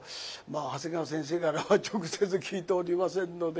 長谷川先生からは直接聞いておりませんので。